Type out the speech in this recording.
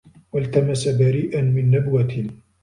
وَالْتَمَسَ بَرِيئًا مِنْ نَبْوَةٍ